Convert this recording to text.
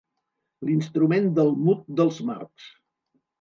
L'instrument del mut dels Marx.